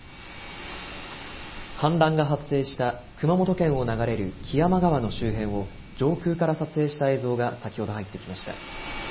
氾濫が発生した熊本県を流れる木山川の周辺を上空から撮影した映像が先ほど入ってきました。